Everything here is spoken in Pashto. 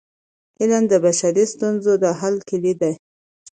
علم د بشري ستونزو د حل کيلي ده.